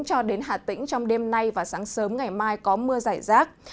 cho đến hà tĩnh trong đêm nay và sáng sớm ngày mai có mưa giải rác